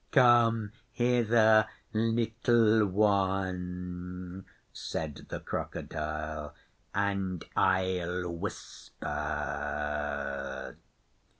'Come hither, Little One,' said the Crocodile, 'and I'll whisper.